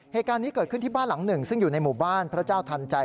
เหตุการณ์นี้เกิดขึ้นที่บ้านหลังหนึ่งซึ่งอยู่ในหมู่บ้านพระเจ้าทันใจ